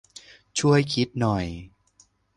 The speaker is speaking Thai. ช่วยคิดหน่อย